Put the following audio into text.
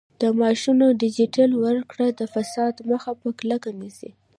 د معاشونو ډیجیټل ورکړه د فساد مخه په کلکه نیسي.